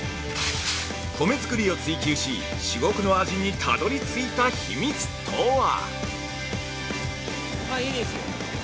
米作りを追求し至極の味にたどりついた秘密とは！？